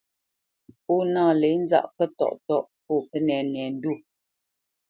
Pó nâ lě nzâʼ kətɔʼtɔ́ʼ pô kənɛnɛndwó.